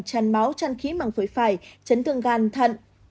chăn máu chăn khí mằng phối phải chấn thương gan thận